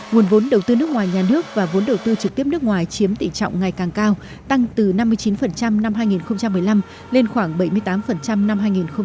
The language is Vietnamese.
nguồn vốn đầu tư nước ngoài nhà nước và vốn đầu tư trực tiếp nước ngoài chiếm tỷ trọng ngày càng cao tăng từ năm mươi chín năm hai nghìn một mươi năm lên khoảng bảy mươi tám năm hai nghìn một mươi bảy